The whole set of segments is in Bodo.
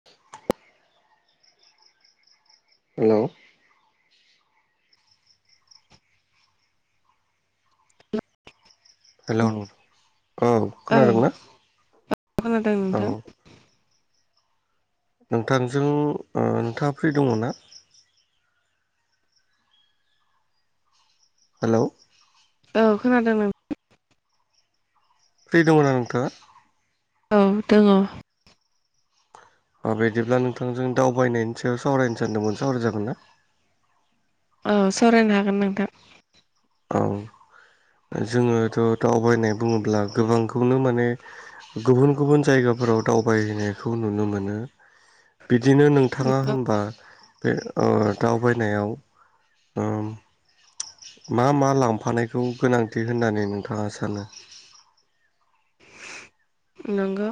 [inaudible] हेलौ हेलौ नोंथां औ खोनादोंना खोनादों औ नोंथां नोंथांजों ओ नोंथाङा फ्रि दङ ना? हेलौ औ खोनादों नों फ्रि दङना नोंथाङा? औ दोङ। अ बिदिब्ला नोंथांजों दावबायनायनि सायाव सावरायनो सानदोंमोन सावराय जागोन ना? औ सावरायनो हागोन नोंथां। औ ओ जोङोथ' दावबायनाय बुङोब्ला गोबांखौनो माने गुबुन गुबुन जायगाफोराव दावबायहैनायखौ नुनो मोनो बिदिनो नों थाङा होनबा बे ओ दावबायनायाव उम मा मा लांफानायखौ गोनांथि होननानै नोंथाङा सानो नंगो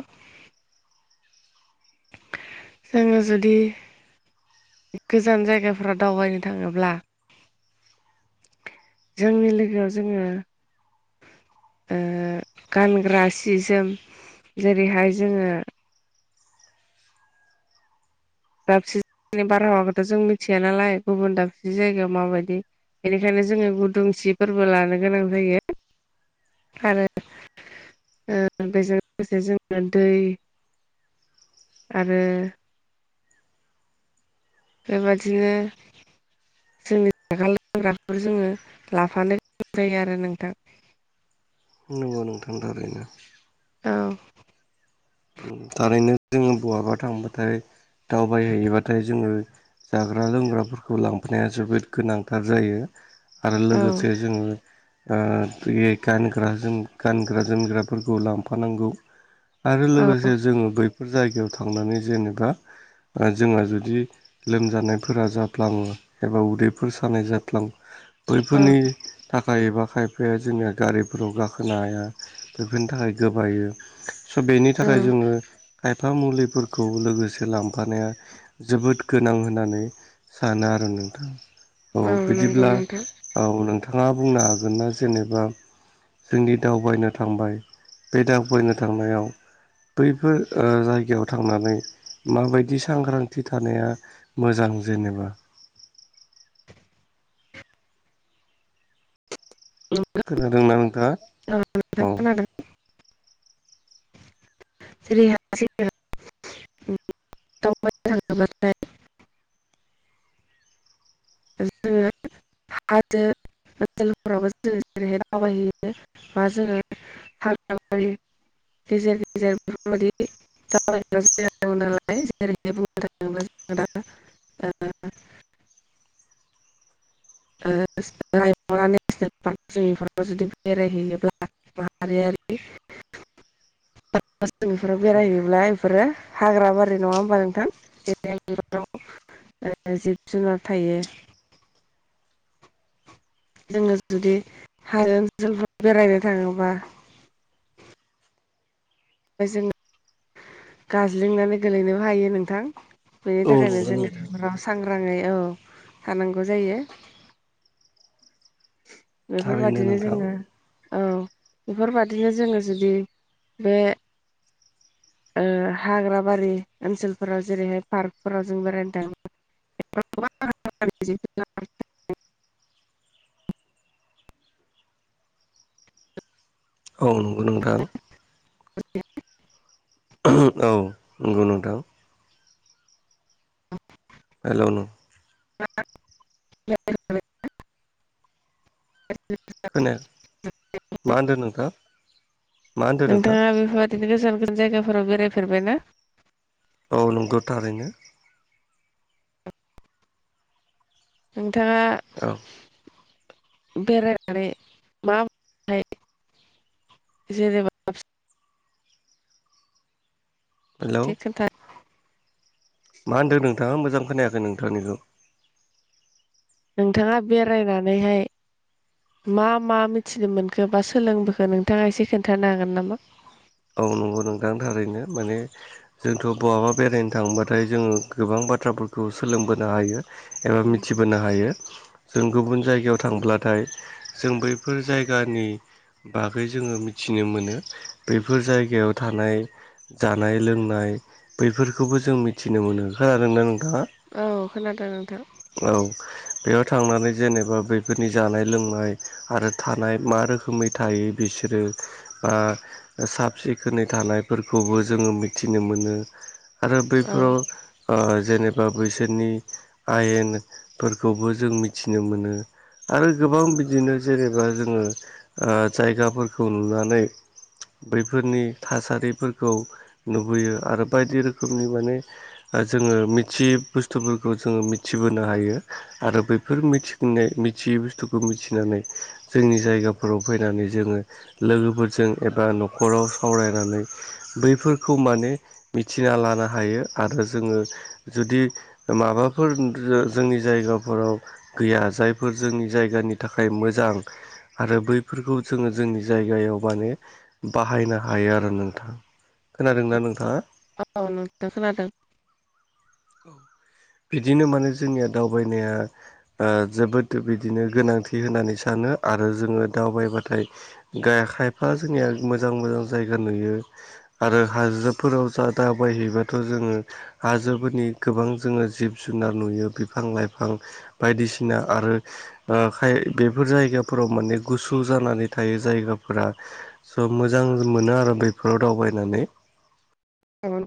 जोङो जुदि गोजान जायगाफ्राव दावबायनो थाङोब्ला जोंनि लोगोआव जोङो गानग्रा सि जोम जेरैहाय जोङो दाबसे जायगानि बारहावाखौथ' जों मिथिया नालाय गुबुन दाबसे जायगायाव माबायदि बेनिखायनो जोङो गुदुंसि फोरबो लानो गोनां जायो आरो बेजों लोगोसे जोङो दै आरो बेबादिनो जोंनि जाग्रा लोंग्राखौ जोङो लाफानो गोनां जायो आरो नोंथां नंगौ नोंथां थारैनो औ थारैनो जोङो बहाबा थांबाथाय दावबायहैयोबाथाय जोङो जाग्रा लोंग्राफोरखौ लांफानाया जोबोद गोनांथार जायो आरो औ लोगोसे जोङो बे गानग्रा गानग्रा जोमग्राफोरखौ लांफानांगौ आरो औ लोगोसे जोङो बैफोर जायगायाव थांनानै जेनेबा जोंहा जुदि लोमजानायफोरा जाफ्लाङो एबा उदैफोर सानाय जाफ्लाङो औ बैफोरनि थाखा एबा खायफाया जोंनिया गारिफोराव गाखोनो हाया बेफोरनि थाखाय गोबायो स' बेनि थाखाय जोङो खायफा मुलिफोरखौ लोगोसे लांफानाया जोबोद गोनां होननानै सानो आरो नोंथाङा औ नंगौ बिदिब्ला नोंथां औ नोंथाङा बुंनो हागोन ना जेनेबा जोंनि दावबायनो थांबाय बे दावबायनो थांनायाव बैफोर जायगायाव थांनानै माबायदि सांग्रांथि थानाया मोजां जेनेबा खोनादोंना नोंथाङा औ नोंथां औ खोनादों जेरैहाइ जोंङो दावबायन थाङोब्लाथाय जोङो हाजो ओनसोलफोरावबो जोङो जेरैहाय दावबायहैयो बा जोङो हाग्राबारि गेजेर गेजेर गेजेर बेफोरबायाददि दावायग्रा जायगा दंनालाय जेरैहाय बुंनो थाङोब्ला जों दा [unintelligible] [unintelligible] रायमा नेसनेल पार्क जों बेफोराव जुदि बेरायहैयोब्ला मारियारि निफोराव बेरायहैयोब्ला बेफोरो हाग्रा बारि नङा होमबा नोंथां जेरै बिफोराव जिब जुनार थायो जोङो जुदि हाजो ओनसोलफोर बेरायनो थाङोबा ओ जोंङ गाजलिोंनानै गोलैनोबो हायो नोंथां बेनि औ थाखायनो नंगौ जोङो नोंथां राव सांग्राङै औ थानांगौ जायो थारैनो बेफोरबायाददिनो नोंथां जोङो औ बेफोरबायादिनो जोङो जुदि बे हाग्र बारि ओनसोलफोराव जेरैहाय पार्कफोराव जों बेरायनो थाङो [unintelligible] औ नंगौ नोंथां [unintelligible] औ नंगौ नोंथां औ हेल' नों मा खोनाया मा होनदो नोंथां? मा होनदों नोंथां नोंथाङा बेफोर बादिनो गोजान गोजान जायगाफोराव बेरायफेरबाय ना? औ नंगौ थारैनो। नोंथाङा औ बेरायनानै मा [inaudible] जेनेबा हेलौ से खोन्था मा होन्दो नोंथाङा मोजां खोनायाखै नोंथांनिखौ नोंथाङा बेरायनानैहाय मा मा मिथिनो मोनखो बा सोलोंबोखो नोंथाङा एसे खोन्थानो हागोन नामा? औ नंगौ नोंथां थारैनो माने जोंथ' बहाबा बेरायनो थांबाथाय जोङो गोबां बाथ्राफोरखौ सोलोंबोनो हायो। एबा मिथिबोनो हायो। जों गुबुन जायगायाव थांब्लाथाय जों बैफोर जायगानि बागै जोङो मिथिनो मोनो बैफोर जायगायाव थानाय जानाय लोंनाय बैफोरखौबो जों मिथिनो मोनोखा आरो ना नोंथाङा औ खोनादों नोंथां। औ। बेयाव थांनानै जेनेबा बैफोरनि जानाय लोंनाय आरो थानाय मा रोखोमै थायो। बिसोरो आ ओ साब सिखोनै थानायफोरखौबो जोङो मिथिनो मोनो आरो औ बैफोराव ओ जेनेबा बैसोरनि आयेनफोरखौबो जों मिथिनो मोनो। आरो गोबां बिदिनो जेनेबा जोङो ओ जायगाफोरखौ नुनानै बैफोरनि थासारिफोरखौ नुबोयो आरो बायदि रोखोमनि माने ओ जोङो मिथियि बुस्थुफोरखौ जोङो मिथिबोनो हायो। आरो बैफोर मिथिंनाय मि मिथियै बुस्थुखौ मिथिनानै जोंनि जायगाफोराव फैनानै जोङो लोगोफोरजों एबा नखर खराव सावरायनानै बैफोरखौ माने मिथिना लानो हायो। आरो जोङो जुदि माबाफोर जोंनि जायगाफोराव गैया जाय बेफोर जोंनि जायगानि थाखाय मोजां। आरो बैफोरखौ जोङो जोंनि जायगायाव माने बाहायनो हायो आरो नोंथां खोनादोंना नोंथाङा? औ नोंथां खोनादों। बिदिनो माने जोंनिया दावबायनाया ओ जोबोद बिदिनो गोनांथि होननानै सानो आरो जोङो दावबायबाथाय गाय खायफा जोंनिया मोजां मोजां जायगा नुयो। आरो हाजोफोराव जा दाबबायहैबाथ' जोङो हाजोफोरनि गोबां जोङो जिब जुनार नुयो बिफां लाइफां बायदिसिना आरो ओ खाय बेफोर जायगाफोराव माने गुसु जानानै थायो जायगाफोरा स' मोजां मोनो आरो बेफोराव दावबायनानै। नंगौ [inaudible]